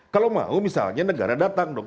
kalau mau misalnya negara datang dong